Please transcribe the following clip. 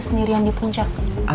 sendirian di puncak